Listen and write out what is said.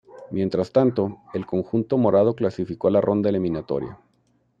Mientras tanto, el conjunto morado clasificó a la ronda eliminatoria.